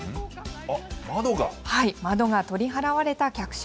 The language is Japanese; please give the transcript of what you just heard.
窓が取り払われた客車。